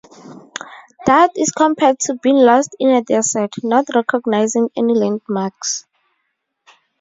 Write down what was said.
Doubt is compared to being lost in a desert, not recognising any landmarks.